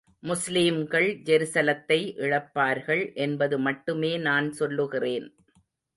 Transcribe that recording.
முஸ்லீம்கள் ஜெருசலத்தை இழப்பார்கள் என்பது மட்டுமே நான் சொல்லுகிறேன்.